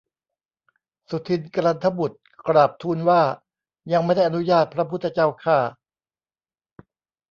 สุทินน์กลันทบุตรกราบทูลว่า ยังไม่ได้อนุญาต พระพุทธเจ้าข้า